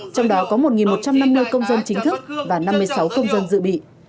trong đó có một một trăm năm mươi công dân chính thức và năm mươi sáu công dân dự bị